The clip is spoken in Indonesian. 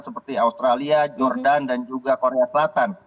seperti australia jordan dan juga korea selatan